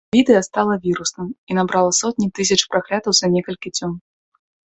Відэа стала вірусным і набрала сотні тысяч праглядаў за некалькі дзён.